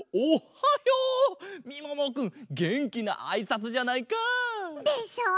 みももくんげんきなあいさつじゃないか。でしょう？